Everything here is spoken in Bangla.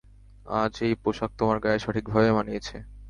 আজ এই পোশাক তোমার গায়ে সঠিকভাবে মানিয়েছে।